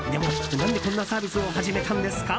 何で、こんなサービスを始めたんですか？